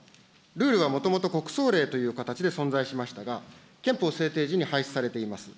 ルールはもともと国葬令という形で存在しましたが、憲法制定時に廃止されています。